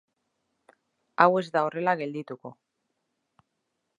Hau ez da horrela geldituko.